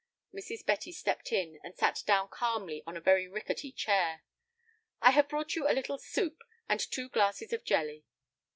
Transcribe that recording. Mrs. Betty stepped in, and sat down calmly on a very rickety chair. "I have brought you a little soup, and two glasses of jelly."